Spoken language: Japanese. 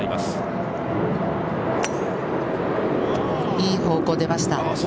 いい方向に出ました。